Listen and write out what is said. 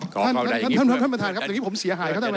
ขอขอให้ได้อย่างนี้